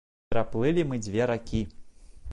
Пераплылі мы дзве ракі.